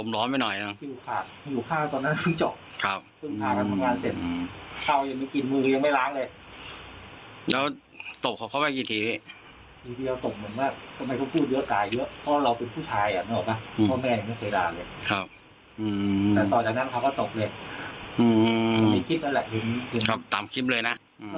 ตอนนี้ต้องคิดก่อนแหละตามคิดเลยนะ